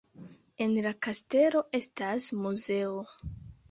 En la kastelo estas muzeo.